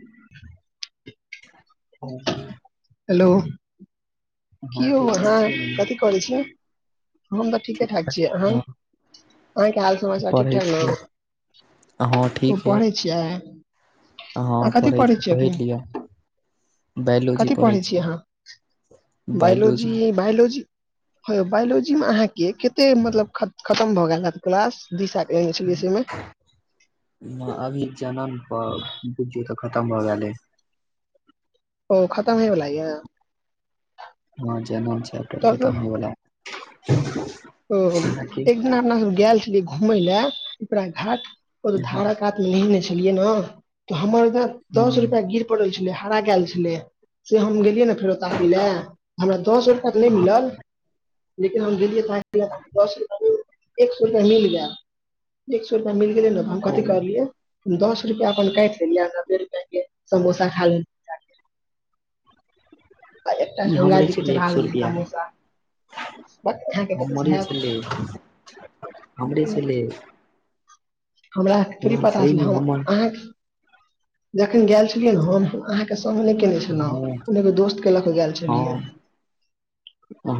[inaudible] [inaudible] Hello कीओ हो ठीके हँ छियै ने? कथी करै छीयै हम तऽ ठीके ठीक ठाक छीयै अहां छियै ने? अहाँंके हाल समाचार पढ़ै ठीकठाक ने छियै हँ ठीक है छियै आ कथि पढ़ै छियै छीयै पढ़ि अपने लिअ बायोलॉजी कथि पढ़ै छीयै छियै अहाँ बायोलॉजी ए बायोलॉजी ह यौ बायोलॉजी मे अहाँ के कते मतलब खत खतम भऽ गेल हैत क्लास दू साय ऐं छैलिय से में अभी जनम पर बुझियौ तऽ खतम भऽ गेलै हय ओ खतम होइय बला हँ जनल छय तब तऽ खतम हो बला एक दिना अपना सब गेल छलियै घुम ले उपरा घाट धारात लेने छलियै ने तऽ हमर दस रुपैया गिर छलै हराक आएल छलै से हम गेलियै ने फेर तैं कि नइ हमरा दस रुपैआ तऽ नई मिलल लेकिन हम गेलियै त दस रुप एक सौ रुपैया मिल गया एक सौ रुपैया मिल गेलइ न हम ओ कथी करलियै दस रुपआ अपन काटि लेलियै नब्बे रुपआ के समोसा खा ले आ एकटा ई गंगा हमरे जी के छलइ एक चढ़ा सौ देलियै रुपैआ समोसा बस अहाँके कतऽ से हमरे हैत छल हमरे छलै हमरा थोड़ी हँ पता छल सहीमे हम हमर अह जखन गेल छलियै ने हम अ के सामने केने हँ छलहुने एगो दोस्त के लऽ के गेल छलियै हँ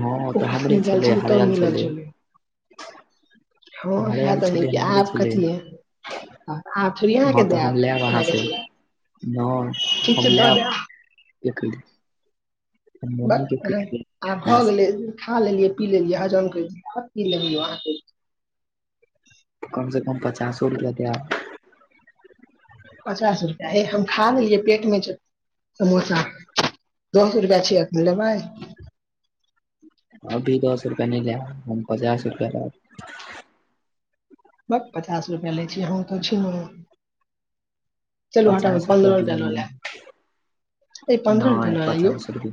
हँ तऽ हमरे ओकखनी गेल छलै छल तब हरायल मिलल छलै झली हं हरायल हैतऽ अहीं छलै के हमरे आब छलै कथी हले आ आब थोड़ी अहाँके देब अहाँके चे हं हम लेब एखली बक आ भऽ देब गेलय खा लेलियै पी लेलियै हज आब कि लेलिय अहाँ के कम से कम पचासो रुपैआ दैत आएत पचास रुपैया हें हम खा गेलियै पेट मे छै समोसा दस रुपैया आ छिय लेब अभी दस रुपआ नय लऽ हम पचास रुपआ रह ब पचास रुपआ लय छी हम तो छी ने चेल हटाव पचास रुपआ पंन्दर दिअ टा ल मम्मी लैब पन्द्रह रुपआ नहि लौ एलौं पचास रुपआ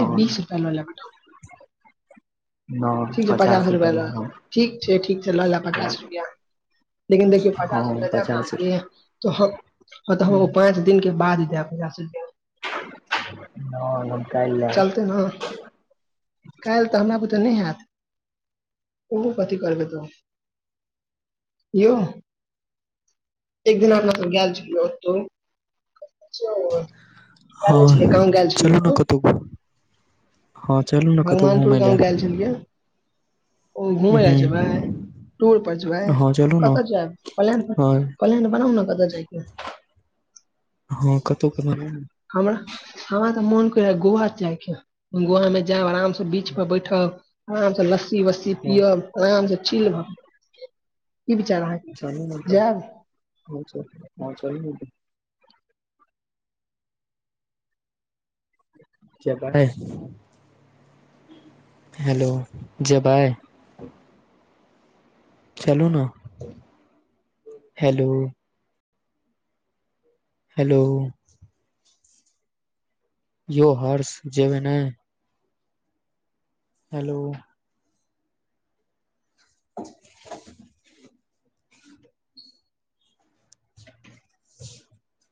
ए बीस रुपआ ल लेब ठीक छय पचास रुपआ ल ठीक छै ठीक छै लऽ ले पचास रुपआ लेकिन देखियऔ पचास हँ रुपआ देब पचास अहाँके त हम ह तऽ हम ओ नहि पाँच दिन के बाद जाएब रुपया में नय चलतै ने काल्हि तऽ हमरा बुते नय हैत ओहोपथी करब तऽ यउ एक दिन अपना तऽ गेल छ गल नय छलै गांव गेलल छलियै कोनो कतौक हँ चलु भगवानपुर गाँंव गेल छलियै ओ घुमय लए जेबै हँ टूर पर जब हँ चलू ने कतऽ जैब फलंड हँ फौलैंड बनाउ ने कतऽ जायके हँ कतहु कना हम हमा तऽ मोन कर गोआके गोवा में जायब आराम बीच पर बैठब आराम से लस्सी वस्सी हाँ पियब आराम से च की विचार आहाँ ची चीत ै हेल्लो जैबाय चलू न हेलो हेलो। यो हर्ष जेबैं नै? हेलो। [inaudible] [inaudible]